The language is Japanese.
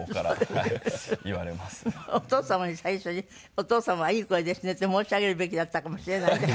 お父様に最初に「お父様はいい声ですね」って申し上げるべきだったかもしれないけど。